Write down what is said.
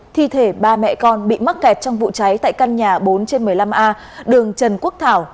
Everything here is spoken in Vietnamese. thi thể ba mẹ con bị mắc kẹt trong vụ cháy tại căn nhà bốn trên một mươi năm a đường trần quốc thảo